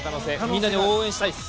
みんなで応援したいです。